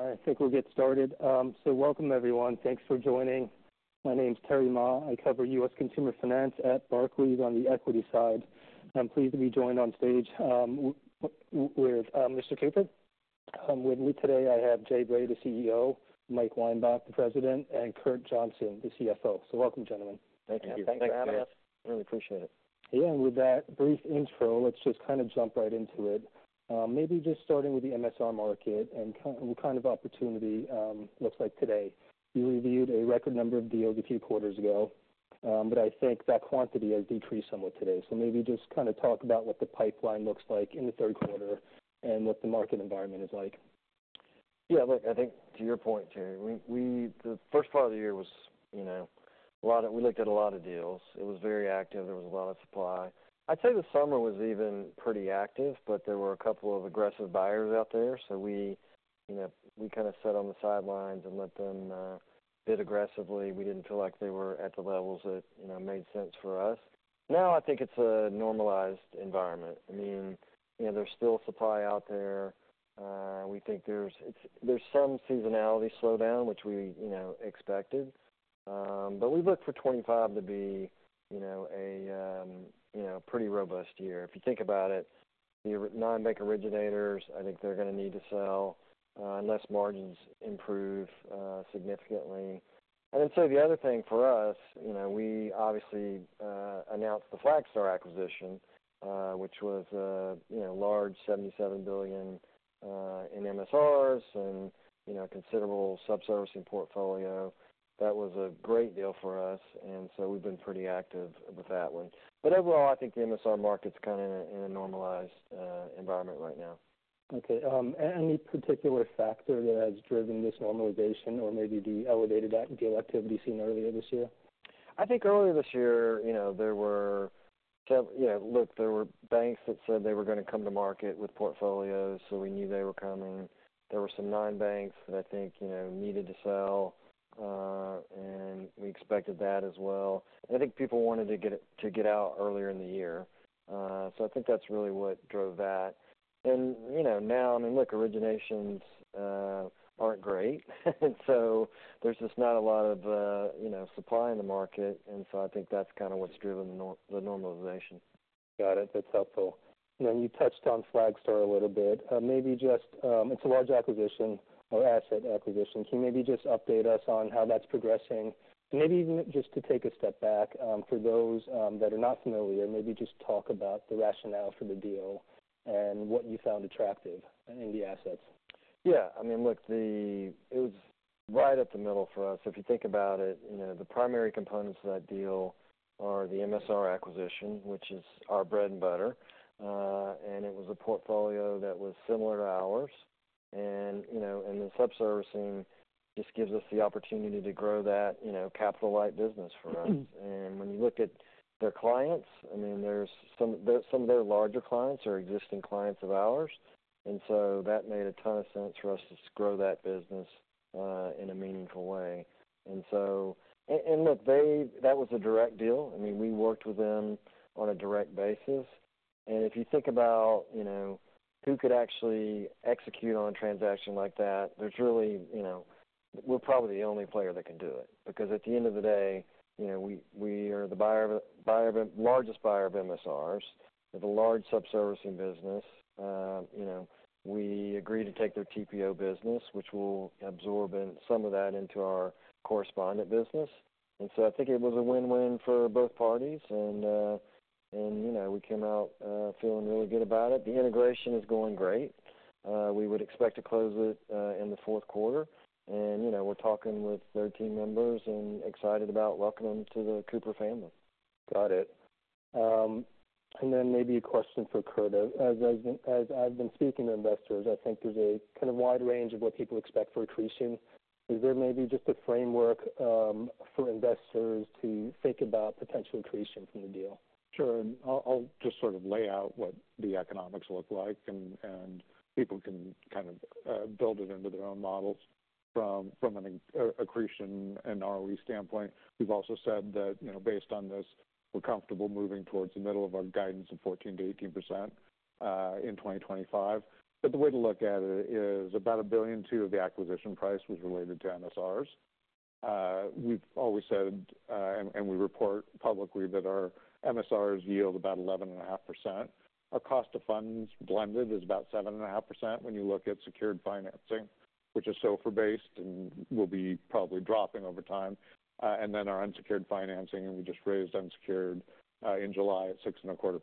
I think we'll get started. So welcome, everyone. Thanks for joining. My name is Terry Ma. I cover U.S. Consumer Finance at Barclays on the equity side. I'm pleased to be joined on stage with Mr. Cooper. With me today, I have Jay Bray, the CEO, Mike Weinbach, the President, and Kurt Johnson, the CFO. So welcome, gentlemen. Thank you. Thanks for having us. Really appreciate it. Yeah, and with that brief intro, let's just kind of jump right into it. Maybe just starting with the MSR market and what kind of opportunity looks like today. You reviewed a record number of deals a few quarters ago, but I think that quantity has decreased somewhat today. So maybe just kind of talk about what the pipeline looks like in the third quarter and what the market environment is like. Yeah, look, I think to your point, Terry, the first part of the year was, you know, we looked at a lot of deals. It was very active. There was a lot of supply. I'd say the summer was even pretty active, but there were a couple of aggressive buyers out there, so we, you know, we kind of sat on the sidelines and let them bid aggressively. We didn't feel like they were at the levels that, you know, made sense for us. Now, I think it's a normalized environment. I mean, you know, there's still supply out there. We think there's some seasonality slowdown, which we, you know, expected. But we look for 2025 to be, you know, a you know, pretty robust year. If you think about it, the non-bank originators, I think they're going to need to sell unless margins improve significantly. And so the other thing for us, you know, we obviously announced the Flagstar acquisition, which was a, you know, large $77 billion in MSRs and, you know, a considerable sub-servicing portfolio. That was a great deal for us, and so we've been pretty active with that one. But overall, I think the MSR market's kind of in a normalized environment right now. Okay, any particular factor that has driven this normalization or maybe the elevated deal activity seen earlier this year? I think earlier this year, you know, there were several. Yeah, look, there were banks that said they were going to come to market with portfolios, so we knew they were coming. There were some non-banks that I think, you know, needed to sell, and we expected that as well. I think people wanted to get out earlier in the year. So I think that's really what drove that. You know, now, I mean, look, originations aren't great. So there's just not a lot of, you know, supply in the market, and so I think that's kind of what's driven the normalization. Got it. That's helpful. You know, you touched on Flagstar a little bit. Maybe just, it's a large acquisition or asset acquisition, so maybe just update us on how that's progressing. Maybe even just to take a step back, for those, that are not familiar, maybe just talk about the rationale for the deal and what you found attractive in the assets. Yeah, I mean, look, it was right up the middle for us. If you think about it, you know, the primary components of that deal are the MSR acquisition, which is our bread and butter, and it was a portfolio that was similar to ours. And, you know, and the sub-servicing just gives us the opportunity to grow that, you know, capital-light business for us. When you look at their clients, I mean, there's some of their larger clients are existing clients of ours, and so that made a ton of sense for us to grow that business in a meaningful way. So, look, that was a direct deal. I mean, we worked with them on a direct basis. If you think about, you know, who could actually execute on a transaction like that, there's really, you know, we're probably the only player that can do it. Because at the end of the day, you know, we are the largest buyer of MSRs, with a large sub-servicing business. You know, we agreed to take their TPO business, which we'll absorb some of that into our correspondent business. I think it was a win-win for both parties, and you know, we came out feeling really good about it. The integration is going great. We would expect to close it in the fourth quarter. You know, we're talking with their team members and excited about welcoming them to the Cooper family. Got it. And then maybe a question for Kurt. As I've been speaking to investors, I think there's a kind of wide range of what people expect for accretion. Is there maybe just a framework for investors to think about potential accretion from the deal? Sure. I'll just sort of lay out what the economics look like, and people can kind of build it into their own models from an accretion and ROE standpoint. We've also said that, you know, based on this, we're comfortable moving towards the middle of our guidance of 14%-18% in 2025. But the way to look at it is about $1.2 billion of the acquisition price was related to MSRs. We've always said, and we report publicly that our MSRs yield about 11.5%. Our cost of funds blended is about 7.5% when you look at secured financing, which is SOFR-based and will be probably dropping over time. And then our unsecured financing, and we just raised unsecured in July at 6.25%.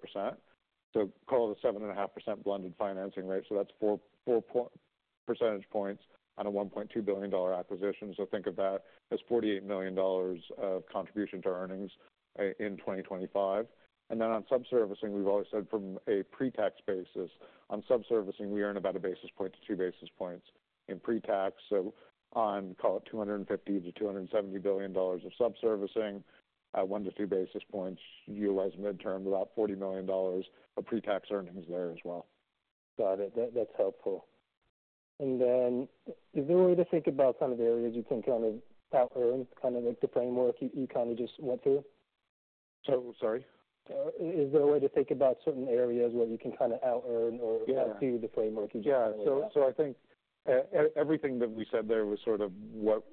Call it a 7.5% blended financing rate, so that's 4.4 percentage points on a $1.2 billion acquisition. Think of that as $48 million of contribution to earnings in 2025. Then on sub-servicing, we've always said from a pre-tax basis on sub-servicing we earn about 1-2 basis points in pre-tax. On, call it, $250-$270 billion of sub-servicing at 1-2 basis points, utilize midterm, about $40 million of pre-tax earnings there as well. Got it. That, that's helpful. And then, is there a way to think about kind of the areas you can kind of outearn, kind of like the framework you kind of just went through? ... So, sorry? Is there a way to think about certain areas where you can kind of out earn or- Yeah. See the framework you- Yeah. So I think everything that we said there was sort of what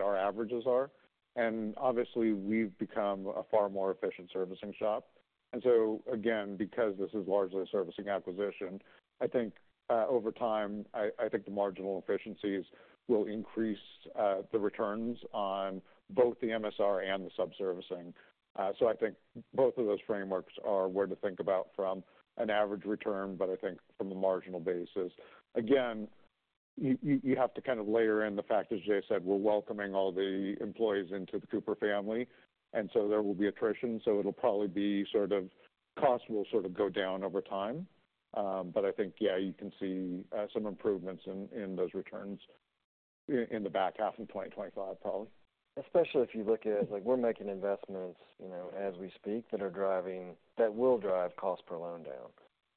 our averages are, and obviously, we've become a far more efficient servicing shop. And so again, because this is largely a servicing acquisition, I think over time I think the marginal efficiencies will increase the returns on both the MSR and the sub-servicing. So I think both of those frameworks are where to think about from an average return, but I think from a marginal basis. Again, you have to kind of layer in the fact, as Jay said, we're welcoming all the employees into the Cooper family, and so there will be attrition, so it'll probably be sort of costs will sort of go down over time. But I think, yeah, you can see some improvements in those returns in the back half of 2025, probably. Especially if you look at, like, we're making investments, you know, as we speak, that will drive cost per loan down.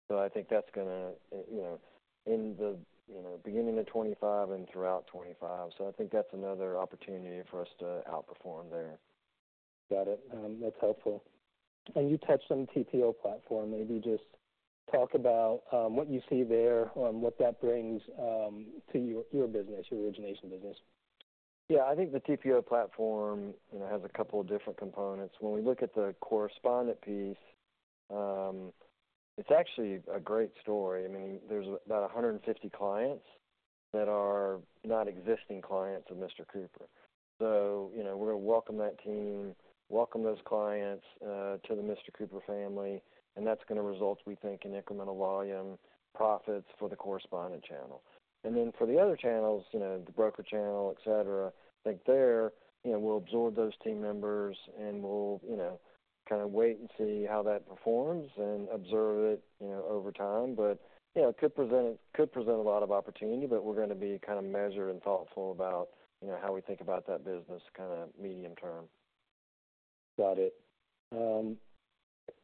So I think that's gonna, you know, in the, you know, beginning of 2025 and throughout 2025. So I think that's another opportunity for us to outperform there. Got it. That's helpful, and you touched on the TPO platform. Maybe just talk about what you see there, what that brings to your business, your origination business. Yeah, I think the TPO platform, you know, has a couple of different components. When we look at the correspondent piece, it's actually a great story. I mean, there's about 150 clients that are not existing clients of Mr. Cooper. So, you know, we're gonna welcome that team, welcome those clients, to the Mr. Cooper family, and that's gonna result, we think, in incremental volume, profits for the correspondent channel. And then for the other channels, you know, the broker channel, et cetera, I think there, you know, we'll absorb those team members, and we'll, you know, kind of wait and see how that performs and observe it, you know, over time. You know, it could present a lot of opportunity, but we're gonna be kind of measured and thoughtful about, you know, how we think about that business kind of medium term. Got it.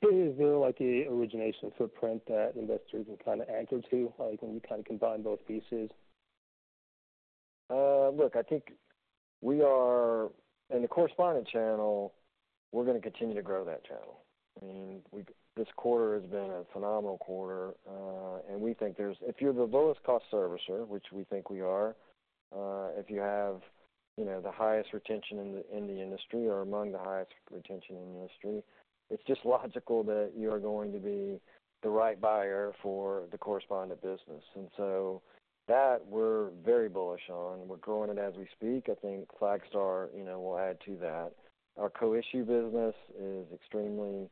Is there like an origination footprint that investors can kind of anchor to, like, when you kind of combine both pieces? Look, I think we are in the correspondent channel. We're gonna continue to grow that channel. I mean, this quarter has been a phenomenal quarter, and we think if you're the lowest cost servicer, which we think we are, if you have, you know, the highest retention in the industry or among the highest retention in the industry, it's just logical that you're going to be the right buyer for the correspondent business, and so that we're very bullish on. We're growing it as we speak. I think Flagstar, you know, will add to that. Our co-issue business is extremely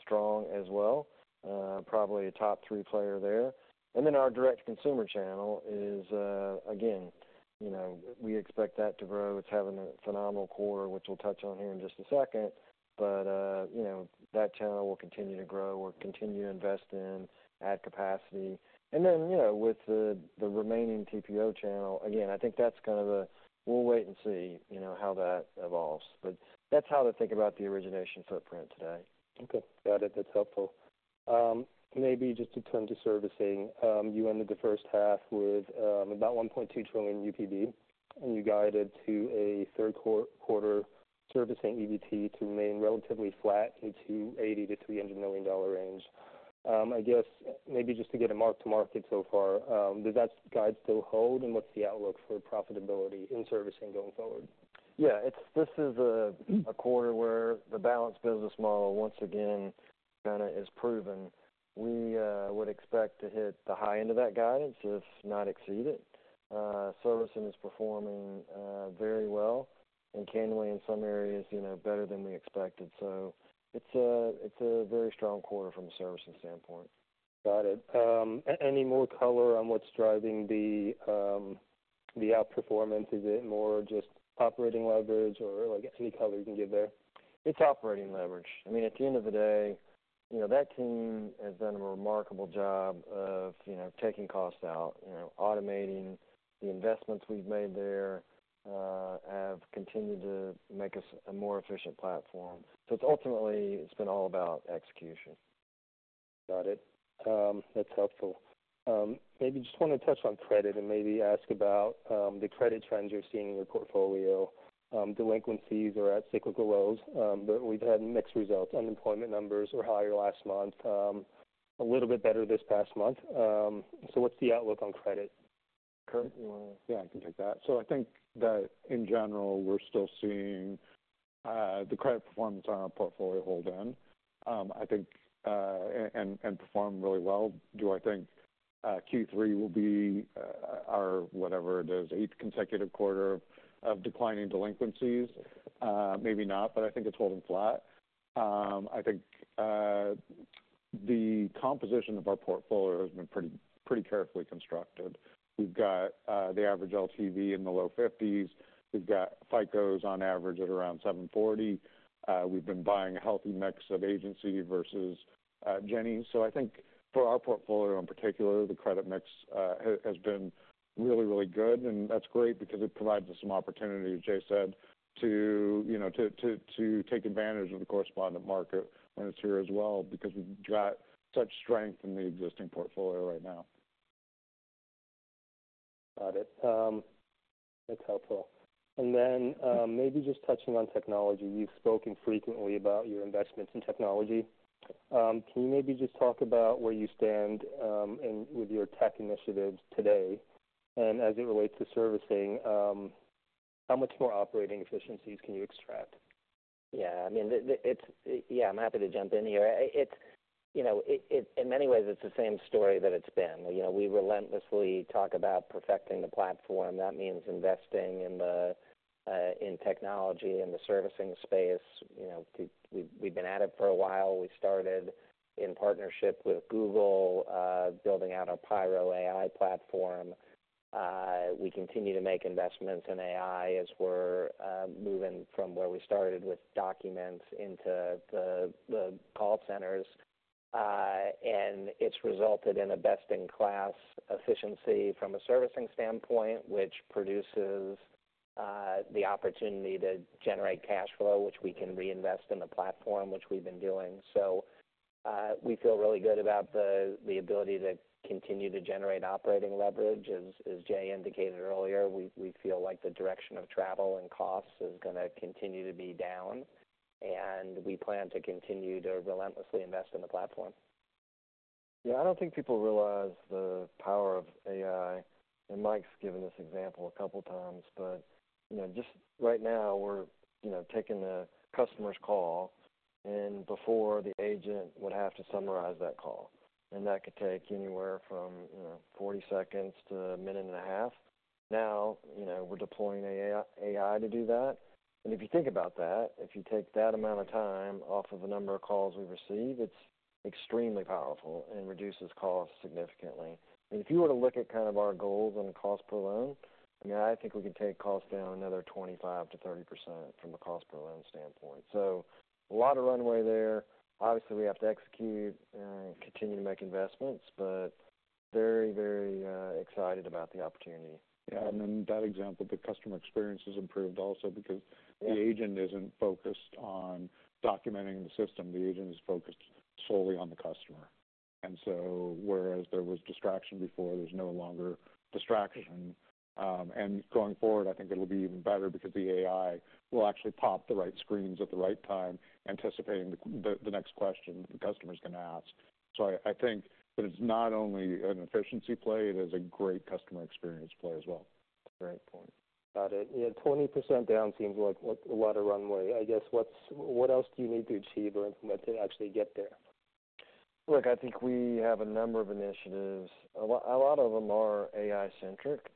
strong as well, probably a top three player there, and then our direct consumer channel is, again, you know, we expect that to grow. It's having a phenomenal quarter, which we'll touch on here in just a second. But, you know, that channel will continue to grow. We'll continue to invest in, add capacity. And then, you know, with the remaining TPO channel, again, I think that's kind of a we'll wait and see, you know, how that evolves. But that's how to think about the origination footprint today. Okay, got it. That's helpful. Maybe just to turn to servicing, you ended the first half with about one point two trillion UPB, and you guided to a third quarter servicing EBT to remain relatively flat into $80-$300 million range. I guess maybe just to get a mark to market so far, does that guide still hold, and what's the outlook for profitability in servicing going forward? Yeah, it's this is a quarter where the balanced business model, once again, kind of is proven. We would expect to hit the high end of that guidance, if not exceed it. Servicing is performing very well and candidly in some areas, you know, better than we expected. So it's a very strong quarter from a servicing standpoint. Got it. Any more color on what's driving the outperformance? Is it more just operating leverage or, like, any color you can give there? It's operating leverage. I mean, at the end of the day, you know, that team has done a remarkable job of, you know, taking costs out, you know, automating the investments we've made there have continued to make us a more efficient platform. So it's ultimately, it's been all about execution. Got it. That's helpful. Maybe just want to touch on credit and maybe ask about the credit trends you're seeing in your portfolio. Delinquencies are at cyclical lows, but we've had mixed results. Unemployment numbers were higher last month, a little bit better this past month. So what's the outlook on credit? Kurt, you want to? Yeah, I can take that. So I think that in general, we're still seeing the credit performance on our portfolio holding in. I think and perform really well. Do I think Q3 will be our whatever it is eighth consecutive quarter of declining delinquencies? Maybe not, but I think it's holding flat. I think the composition of our portfolio has been pretty carefully constructed. We've got the average LTV in the low fifties. We've got FICOs on average at around 740. We've been buying a healthy mix of agency versus Ginnie. So I think for our portfolio in particular, the credit mix has been really, really good, and that's great because it provides us some opportunity, as Jay said, to, you know, to take advantage of the correspondent market when it's here as well, because we've got such strength in the existing portfolio right now. ... Got it. That's helpful. And then, maybe just touching on technology. You've spoken frequently about your investments in technology. Can you maybe just talk about where you stand with your tech initiatives today, and as it relates to servicing, how much more operating efficiencies can you extract? Yeah, I mean, yeah, I'm happy to jump in here. It's, you know, in many ways, it's the same story that it's been. You know, we relentlessly talk about perfecting the platform. That means investing in technology, in the servicing space. You know, we've been at it for a while. We started in partnership with Google, building out our Pyro AI platform. We continue to make investments in AI as we're moving from where we started with documents into the call centers. And it's resulted in a best-in-class efficiency from a servicing standpoint, which produces the opportunity to generate cash flow, which we can reinvest in the platform, which we've been doing. So, we feel really good about the ability to continue to generate operating leverage. As Jay indicated earlier, we feel like the direction of travel and costs is gonna continue to be down, and we plan to continue to relentlessly invest in the platform. Yeah, I don't think people realize the power of AI, and Mike's given this example a couple of times. But, you know, just right now, we're, you know, taking the customer's call, and before, the agent would have to summarize that call, and that could take anywhere from, you know, 40 seconds to a minute and a half. Now, you know, we're deploying AI to do that. And if you think about that, if you take that amount of time off of the number of calls we receive, it's extremely powerful and reduces costs significantly. And if you were to look at kind of our goals on the cost per loan, I mean, I think we could take costs down another 25%-30% from a cost per loan standpoint. So a lot of runway there. Obviously, we have to execute and continue to make investments, but very, very excited about the opportunity. Yeah, and in that example, the customer experience has improved also because- Yeah ... the agent isn't focused on documenting the system. The agent is focused solely on the customer. And so whereas there was distraction before, there's no longer distraction. And going forward, I think it'll be even better because the AI will actually pop the right screens at the right time, anticipating the next question the customer is going to ask. So I think that it's not only an efficiency play, it is a great customer experience play as well. Very important. Got it. Yeah, 20% down seems like quite a lot of runway. I guess, what else do you need to achieve or implement to actually get there? Look, I think we have a number of initiatives. A lot of them are AI-centric.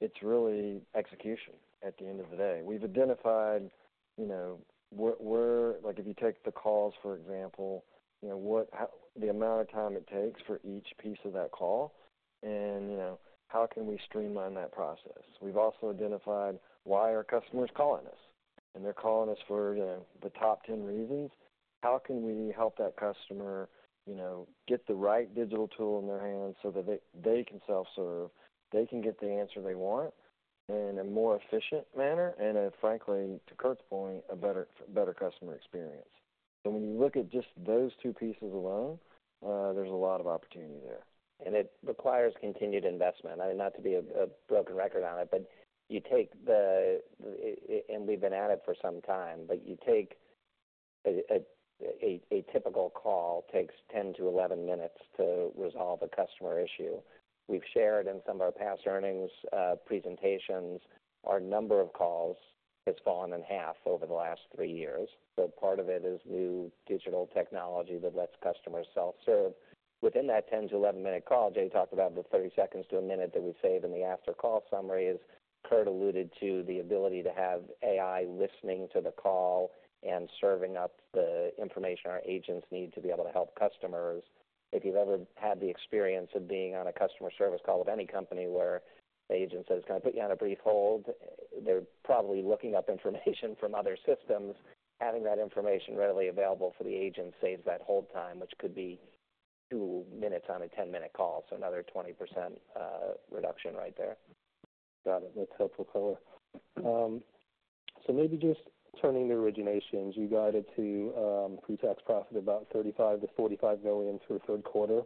It's really execution at the end of the day. We've identified, you know, where... like, if you take the calls, for example, you know, what, how the amount of time it takes for each piece of that call, and, you know, how can we streamline that process? We've also identified why are customers calling us, and they're calling us for, you know, the top ten reasons. How can we help that customer, you know, get the right digital tool in their hands so that they can self-serve, they can get the answer they want in a more efficient manner, and frankly, to Kurt's point, a better customer experience. So when you look at just those two pieces alone, there's a lot of opportunity there. It requires continued investment. I mean, not to be a broken record on it, but we've been at it for some time, but a typical call takes 10-11 minutes to resolve a customer issue. We've shared in some of our past earnings presentations, our number of calls has fallen in half over the last three years. Part of it is new digital technology that lets customers self-serve. Within that 10-11-minute call, Jay talked about the 30 seconds to a minute that we save in the after-call summaries. Kurt alluded to the ability to have AI listening to the call and serving up the information our agents need to be able to help customers. If you've ever had the experience of being on a customer service call with any company where the agent says, "Can I put you on a brief hold?" They're probably looking up information from other systems. Having that information readily available for the agent saves that hold time, which could be two minutes on a 10-minute call, so another 20% reduction right there. Got it. That's helpful color. So maybe just turning to originations. You guided to pretax profit about $35 million-$45 million for the third quarter.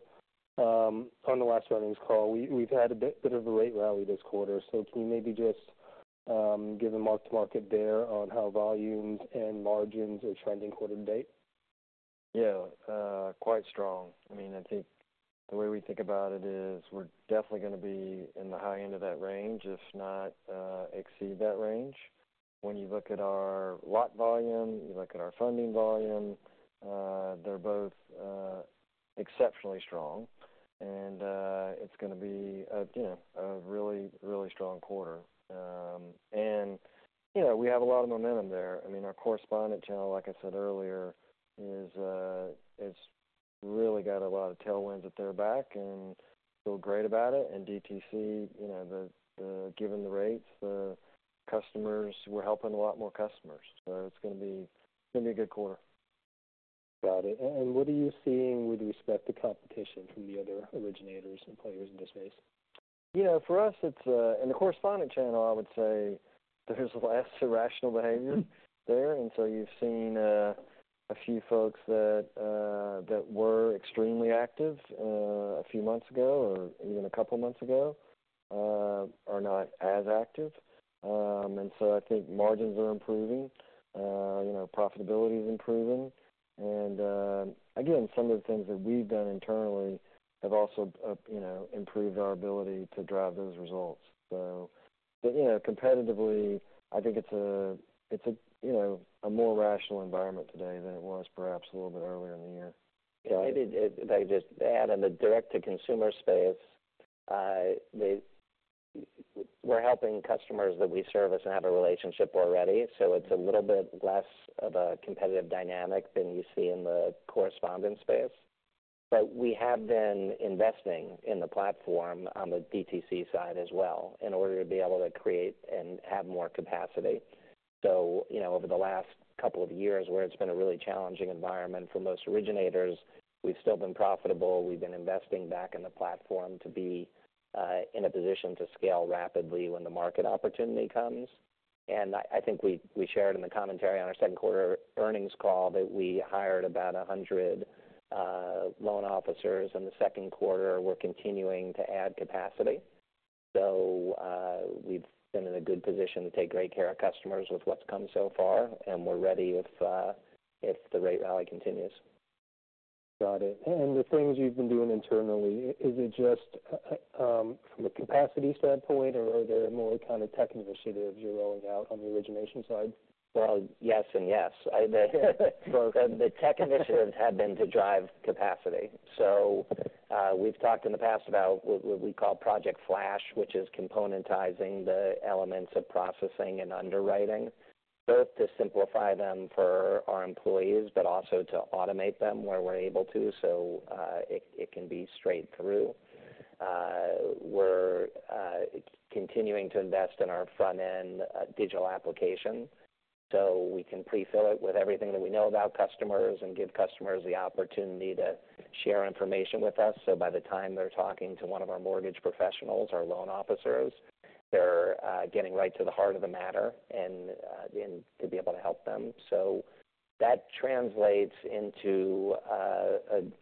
On the last earnings call, we've had a bit of a rate rally this quarter. So can you maybe just give a mark to market there on how volumes and margins are trending quarter to date? Yeah, quite strong. I mean, I think the way we think about it is we're definitely gonna be in the high end of that range, if not, exceed that range. When you look at our loan volume, you look at our funding volume, they're both exceptionally strong, and it's gonna be a, you know, a really, really strong quarter. And, you know, we have a lot of momentum there. I mean, our correspondent channel, like I said earlier, is, it's really got a lot of tailwinds at their back, and feel great about it. And DTC, you know, the, the, given the rates, the customers, we're helping a lot more customers. So it's gonna be, gonna be a good quarter. Got it. And what are you seeing with respect to competition from the other originators and players in this space? Yeah, for us, it's in the correspondent channel. I would say there's less irrational behavior there. And so you've seen a few folks that were extremely active a few months ago or even a couple months ago are not as active. And so I think margins are improving, you know, profitability is improving. And again, some of the things that we've done internally have also you know, improved our ability to drive those results. So, but, you know, competitively, I think it's a, it's a, you know, a more rational environment today than it was perhaps a little bit earlier in the year. Yeah, if I could just add, in the direct-to-consumer space, we, we're helping customers that we service and have a relationship already. So it's a little bit less of a competitive dynamic than you see in the correspondent space. But we have been investing in the platform on the DTC side as well, in order to be able to create and have more capacity. So, you know, over the last couple of years, where it's been a really challenging environment for most originators, we've still been profitable. We've been investing back in the platform to be in a position to scale rapidly when the market opportunity comes. And I think we shared in the commentary on our second quarter earnings call that we hired about 100 loan officers in the second quarter. We're continuing to add capacity. So, we've been in a good position to take great care of customers with what's come so far, and we're ready if the rate rally continues. Got it. And the things you've been doing internally, is it just from a capacity standpoint, or are there more kind of tech initiatives you're rolling out on the origination side? Yes and yes. Both. The tech initiatives have been to drive capacity. So, we've talked in the past about what we call Project Flash, which is componentizing the elements of processing and underwriting, both to simplify them for our employees, but also to automate them where we're able to, so it can be straight through. We're continuing to invest in our front-end digital application, so we can prefill it with everything that we know about customers and give customers the opportunity to share information with us. So by the time they're talking to one of our mortgage professionals, our loan officers, they're getting right to the heart of the matter and to be able to help them. So that translates into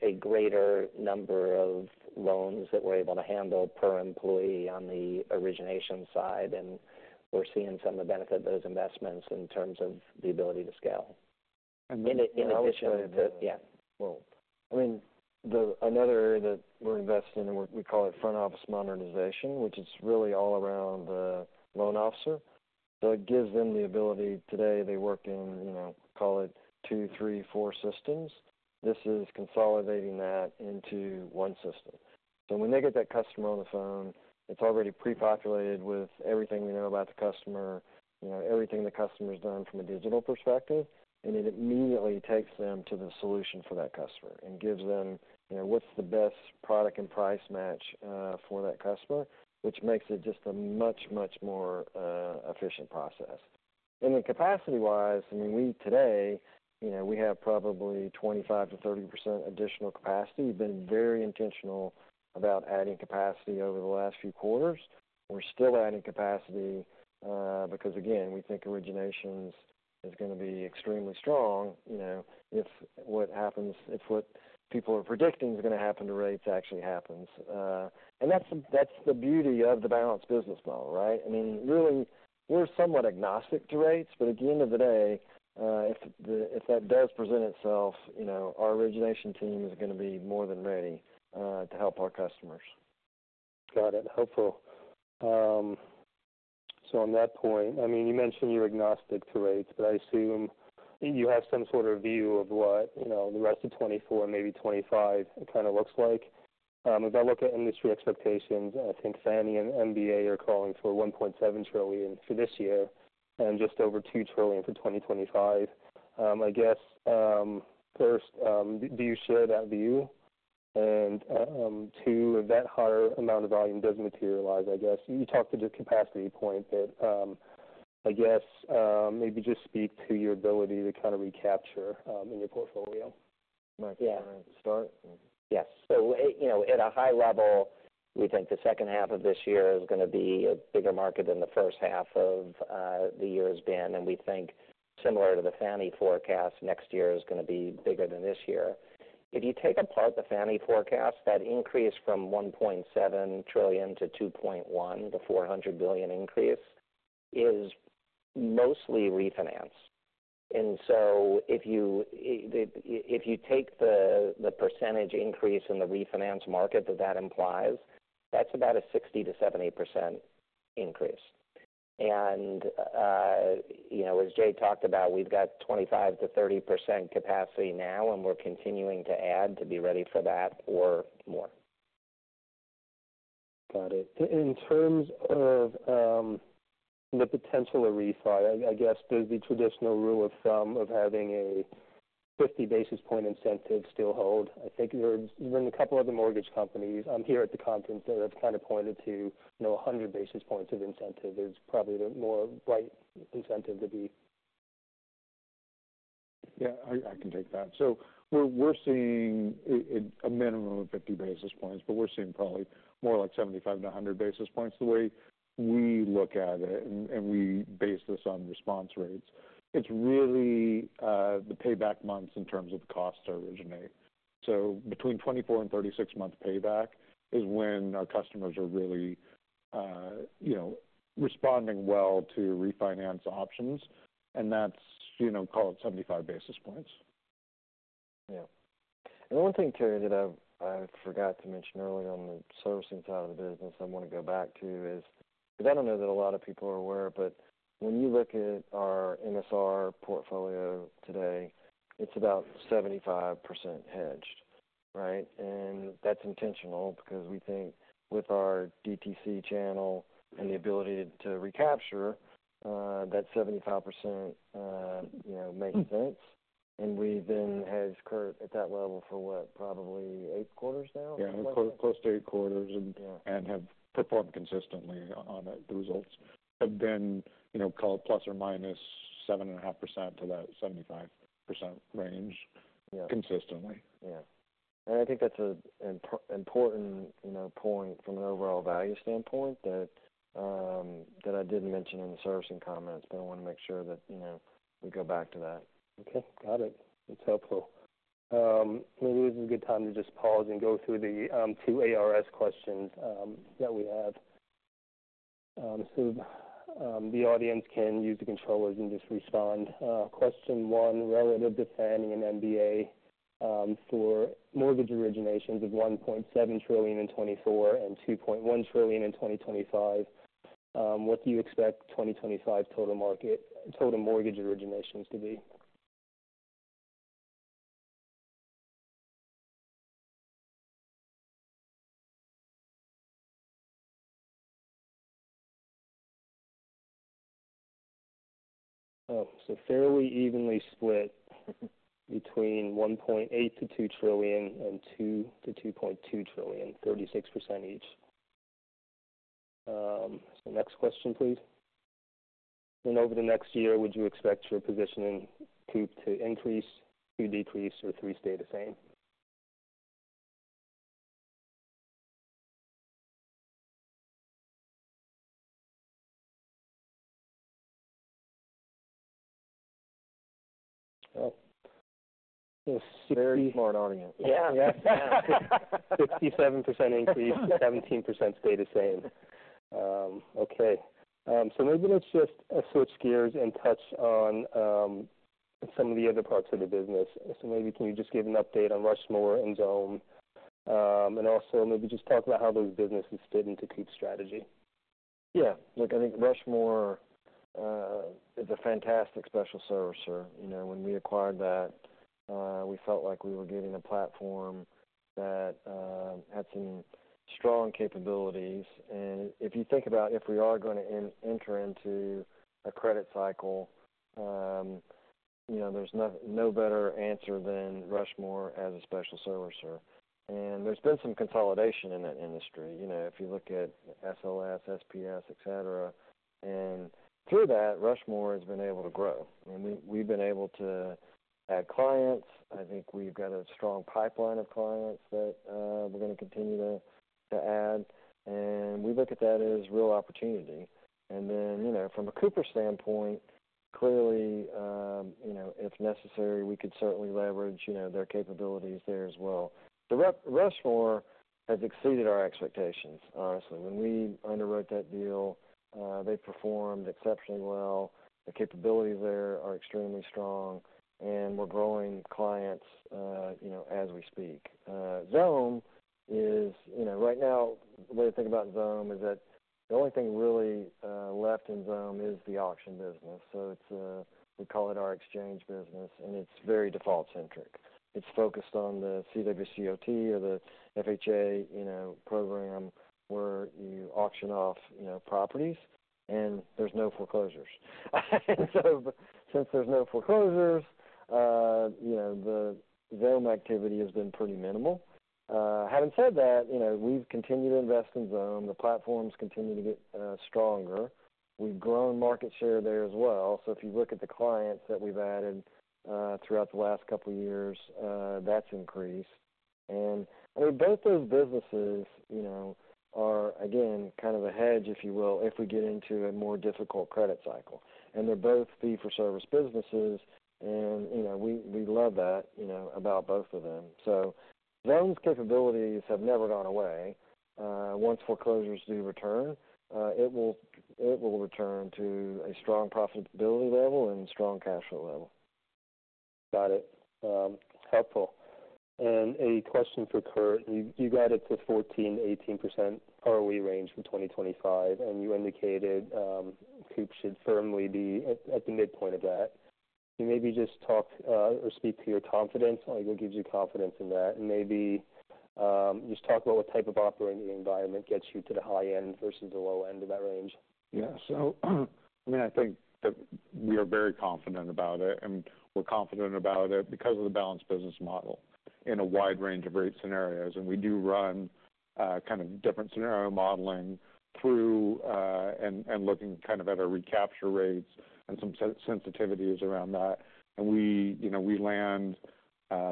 a greater number of loans that we're able to handle per employee on the origination side, and we're seeing some of the benefit of those investments in terms of the ability to scale. In addition to- And then- Yeah. I mean, another area that we're investing in, we call it front office modernization, which is really all around the loan officer. So it gives them the ability, today, they work in, you know, call it two, three, four systems. This is consolidating that into one system. So when they get that customer on the phone, it's already pre-populated with everything we know about the customer, you know, everything the customer's done from a digital perspective, and it immediately takes them to the solution for that customer and gives them, you know, what's the best product and price match for that customer, which makes it just a much, much more efficient process. And then capacity-wise, I mean, we today, you know, we have probably 25%-30% additional capacity. We've been very intentional about adding capacity over the last few quarters. We're still adding capacity because, again, we think origination is going to be extremely strong, you know, if what happens, if what people are predicting is going to happen to rates actually happens. And that's the beauty of the balanced business model, right? I mean, really, we're somewhat agnostic to rates, but at the end of the day, if that does present itself, you know, our origination team is going to be more than ready to help our customers. Got it. Helpful. So on that point, I mean, you mentioned you're agnostic to rates, but I assume you have some sort of view of what, you know, the rest of 2024 and maybe 2025 kind of looks like. If I look at industry expectations, I think Fannie and MBA are calling for $1.7 trillion for this year and just over $2 trillion for 2025. I guess, first, do you share that view? And, two, if that higher amount of volume does materialize, I guess you talked to the capacity point, but, I guess, maybe just speak to your ability to kind of recapture, in your portfolio. Mike, you want to start? Yes. So, you know, at a high level, we think the second half of this year is going to be a bigger market than the first half of the year has been. And we think similar to the Fannie forecast, next year is going to be bigger than this year. If you take apart the Fannie forecast, that increase from $1.7 trillion to $2.1 trillion, the $400 billion increase, is mostly refinance. And so if you take the percentage increase in the refinance market that implies, that's about a 60%-70% increase. And, you know, as Jay talked about, we've got 25%-30% capacity now, and we're continuing to add to be ready for that or more. Got it. In terms of the potential of refi, I guess, does the traditional rule of thumb of having a fifty basis point incentive still hold? I think there's been a couple other mortgage companies here at the conference that have kind of pointed to, you know, a hundred basis points of incentive is probably the more right incentive to be-... Yeah, I can take that. So we're seeing a minimum of 50 basis points, but we're seeing probably more like 75 to 100 basis points. The way we look at it, and we base this on response rates, it's really the payback months in terms of the costs to originate. So between 24 and 36 month payback is when our customers are really, you know, responding well to refinance options, and that's, you know, call it 75 basis points. Yeah. And one thing, Terry, that I forgot to mention earlier on the servicing side of the business, I want to go back to is, because I don't know that a lot of people are aware, but when you look at our MSR portfolio today, it's about 75% hedged, right? And that's intentional because we think with our DTC channel and the ability to recapture, that 75%, you know, makes sense. And we've been hedged, Kurt, at that level for what? Probably eight quarters now? Yeah, close to eight quarters, and- Yeah and have performed consistently on it. The results have been, you know, call it plus or minus 7.5% to that 75% range. Yeah - consistently. Yeah. And I think that's an important, you know, point from an overall value standpoint that that I didn't mention in the servicing comments, but I want to make sure that, you know, we go back to that. Okay, got it. It's helpful. Maybe this is a good time to just pause and go through the two ARS questions that we have. So, the audience can use the controllers and just respond. Question one, relative to Fannie Mae and MBA, for mortgage originations of $1.7 trillion in 2024 and $2.1 trillion in 2025, what do you expect 2025 total market total mortgage originations to be? Oh, so fairly evenly split between $1.8-$2 trillion and $2-$2.2 trillion, 36% each. So next question, please. And over the next year, would you expect your positioning to increase, to decrease or to stay the same? Oh, sixty- Very smart audience. Yeah. 67% increase, 17% stay the same. Okay. So maybe let's just switch gears and touch on some of the other parts of the business. So maybe can you just give an update on Rushmore and and also maybe just talk about how those businesses fit into Coop's strategy. Yeah. Look, I think Rushmore is a fantastic special servicer. You know, when we acquired that, we felt like we were getting a platform that had some strong capabilities. And if you think about if we are going to enter into a credit cycle, you know, there's no better answer than Rushmore as a special servicer. And there's been some consolidation in that industry. You know, if you look at SLS, SPS, et cetera, and through that, Rushmore has been able to grow, and we, we've been able to add clients. I think we've got a strong pipeline of clients that we're going to continue to add, and we look at that as real opportunity. And then, you know, from a Cooper standpoint, clearly, you know, if necessary, we could certainly leverage their capabilities there as well. Rushmore has exceeded our expectations, honestly. When we underwrote that deal, they performed exceptionally well. The capabilities there are extremely strong, and we're growing clients, you know, as we speak. Xome is, you know, right now, the way to think about Xome is that the only thing really left in Xome is the auction business. So it's we call it our exchange business, and it's very default centric. It's focused on the CWCOT or the FHA, you know, program where you auction off, you know, properties and there's no foreclosures. And so, since there's no foreclosures, you know, the Xome activity has been pretty minimal. Having said that, you know, we've continued to invest in Xome. The platforms continue to get stronger. We've grown market share there as well. So if you look at the clients that we've added throughout the last couple of years, that's increased. And both those businesses, you know, are again kind of a hedge, if you will, if we get into a more difficult credit cycle. And they're both fee-for-service businesses, and you know, we love that, you know, about both of them. So Xome's capabilities have never gone away. Once foreclosures do return, it will return to a strong profitability level and strong cash flow level. Got it. Helpful. And a question for Kurt. You guided to 14%-18% ROE range for twenty twenty-five, and you indicated, Coop should firmly be at the midpoint of that. Can you maybe just talk, or speak to your confidence, like what gives you confidence in that? And maybe, just talk about what type of operating environment gets you to the high end versus the low end of that range. Yeah. So, I mean, I think that we are very confident about it, and we're confident about it because of the balanced business model in a wide range of rate scenarios. And we do run kind of different scenario modeling through and looking kind of at our recapture rates and some sensitivities around that. And we, you know, we land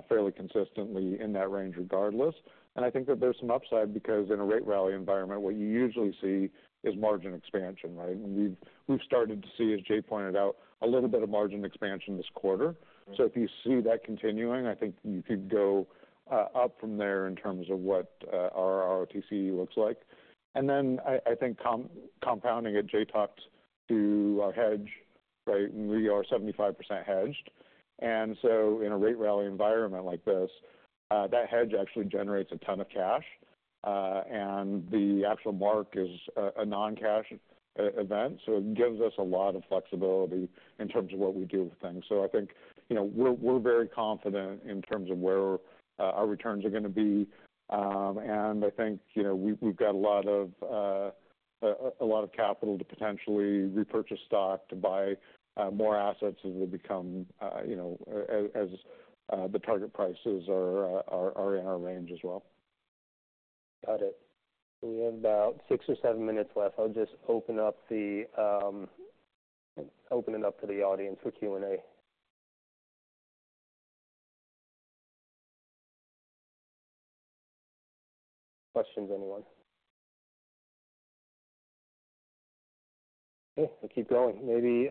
fairly consistently in that range regardless. And I think that there's some upside because in a rate rally environment, what you usually see is margin expansion, right? And we've started to see, as Jay pointed out, a little bit of margin expansion this quarter. So if you see that continuing, I think you could go up from there in terms of what our ROTCE looks like. And then I think compounding it, Jay talked to our hedge, right? We are 75% hedged. And so in a rate rally environment like this, that hedge actually generates a ton of cash, and the actual mark is a non-cash event, so it gives us a lot of flexibility in terms of what we do with things. So I think, you know, we're very confident in terms of where our returns are gonna be. And I think, you know, we've got a lot of capital to potentially repurchase stock, to buy more assets as we become, you know, as the target prices are in our range as well. Got it. We have about six or seven minutes left. I'll just open it up to the audience for Q&A. Questions, anyone? Okay, we keep going. Maybe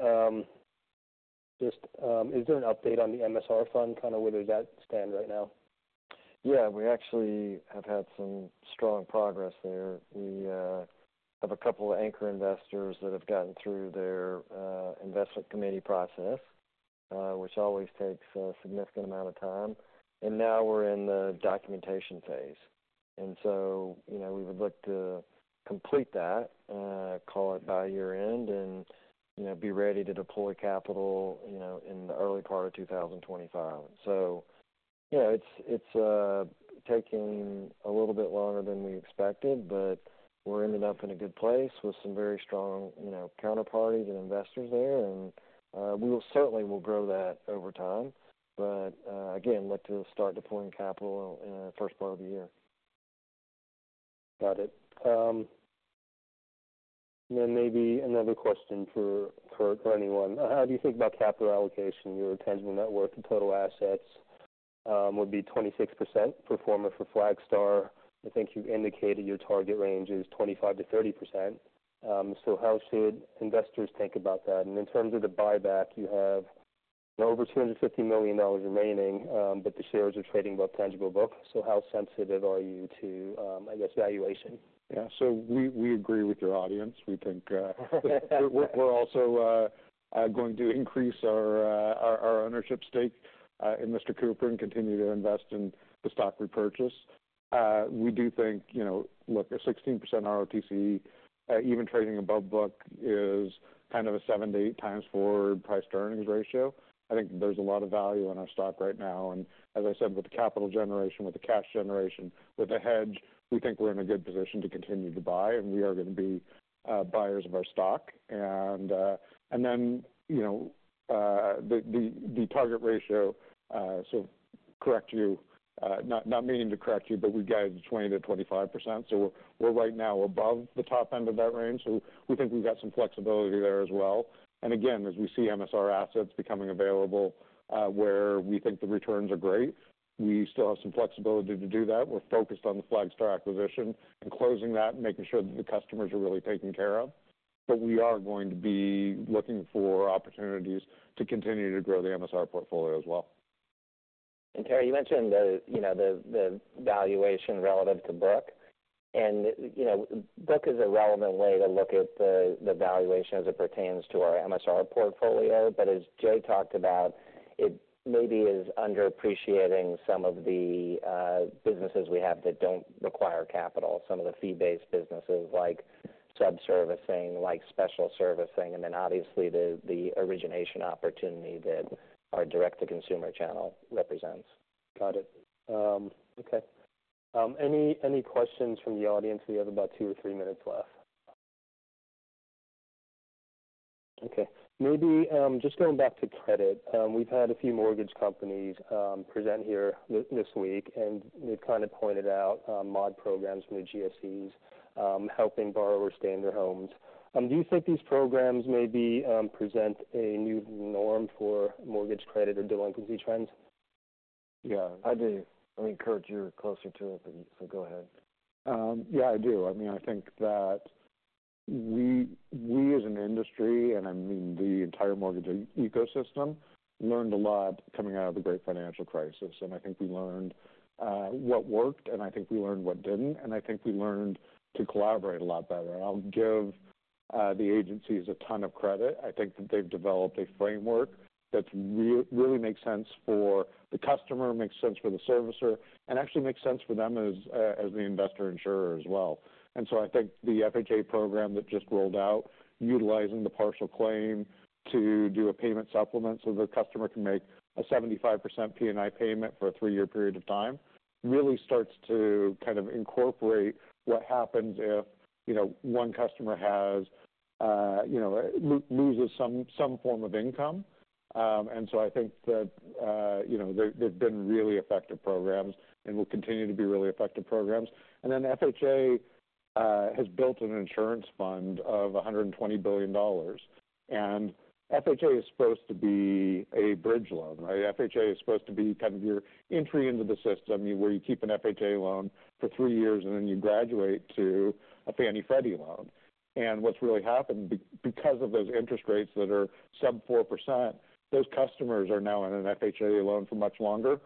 just, is there an update on the MSR fund, kind of where does that stand right now? Yeah, we actually have had some strong progress there. We have a couple of anchor investors that have gotten through their investment committee process, which always takes a significant amount of time, and now we're in the documentation phase. And so, you know, we would look to complete that, call it by year-end and, you know, be ready to deploy capital, you know, in the early part of two thousand and twenty-five. So yeah, it's taking a little bit longer than we expected, but we're ending up in a good place with some very strong, you know, counterparties and investors there. And we will certainly grow that over time, but again, look to start deploying capital in first part of the year. Got it. Then maybe another question for anyone. How do you think about capital allocation? Your tangible net worth and total assets would be 26% pro forma for Flagstar. I think you indicated your target range is 25%-30%. So how should investors think about that? And in terms of the buyback, you have over $250 million remaining, but the shares are trading above tangible book. So how sensitive are you to, I guess, valuation? Yeah, so we agree with your audience. We think we're also going to increase our ownership stake in Mr. Cooper and continue to invest in the stock repurchase. We do think, you know, look, a 16% ROTCE even trading above book is kind of a seven-to-eight times forward price-to-earnings ratio. I think there's a lot of value in our stock right now, and as I said, with the capital generation, with the cash generation, with the hedge, we think we're in a good position to continue to buy, and we are going to be buyers of our stock. You know, the target ratio, to correct you, not meaning to correct you, but we guide 20%-25%. We're right now above the top end of that range, so we think we've got some flexibility there as well. And again, as we see MSR assets becoming available, where we think the returns are great, we still have some flexibility to do that. We're focused on the Flagstar acquisition and closing that and making sure that the customers are really taken care of. But we are going to be looking for opportunities to continue to grow the MSR portfolio as well. And Terry, you mentioned the valuation relative to book, and you know, book is a relevant way to look at the valuation as it pertains to our MSR portfolio. But as Jay talked about, it maybe is underappreciating some of the businesses we have that don't require capital, some of the fee-based businesses like sub-servicing, like special servicing, and then obviously the origination opportunity that our direct-to-consumer channel represents. Got it. Okay. Any questions from the audience? We have about two or three minutes left. Okay. Maybe just going back to credit, we've had a few mortgage companies present here this week, and they've kind of pointed out mod programs from the GSEs helping borrowers stay in their homes. Do you think these programs maybe present a new norm for mortgage credit or delinquency trends? Yeah, I do. I mean, Kurt, you're closer to it, so go ahead. Yeah, I do. I mean, I think that we, we as an industry, and I mean the entire mortgage ecosystem, learned a lot coming out of the great financial crisis, and I think we learned what worked, and I think we learned what didn't, and I think we learned to collaborate a lot better. I'll give the agencies a ton of credit. I think that they've developed a framework that really makes sense for the customer, makes sense for the servicer, and actually makes sense for them as the investor insurer as well. And so I think the FHA program that just rolled out, utilizing the partial claim to do a payment supplement so the customer can make a 75% P&I payment for a three-year period of time, really starts to kind of incorporate what happens if, you know, one customer has, you know, loses some form of income. And so I think that, you know, they've been really effective programs and will continue to be really effective programs. And then FHA has built an insurance fund of $120 billion, and FHA is supposed to be a bridge loan, right? FHA is supposed to be kind of your entry into the system, where you keep an FHA loan for three years, and then you graduate to a Fannie/Freddie loan. What's really happened, because of those interest rates that are sub-4%, those customers are now in an FHA loan for much longer.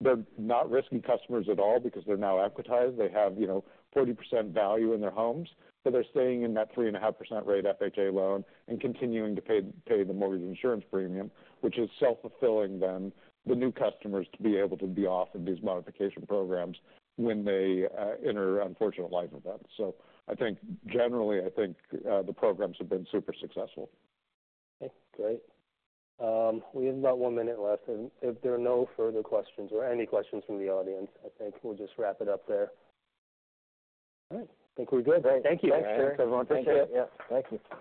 They're not risky customers at all because they're now equitized. They have, you know, 40% value in their homes, so they're staying in that 3.5% rate FHA loan and continuing to pay the mortgage insurance premium, which is self-fulfilling. Then, the new customers are able to be off of these modification programs when they enter unfortunate life events. So I think, generally, I think, the programs have been super successful. Okay, great. We have about one minute left, and if there are no further questions or any questions from the audience, I think we'll just wrap it up there. All right, I think we're good. Great. Thank you. Thanks, everyone. Appreciate it. Yeah, thank you.